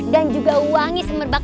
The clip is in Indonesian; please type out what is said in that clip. dan juga wangi semerbak